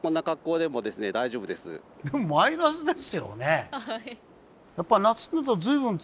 でもマイナスですよね？